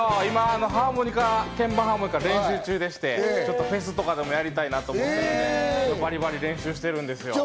鍵盤ハーモニカ練習中でして、フェスでもやりたいなと思っていて、バリバリ練習してるんですよ。